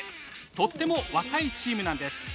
とっても若いチームなんです。